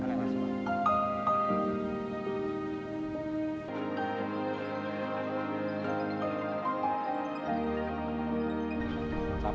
terima kasih pak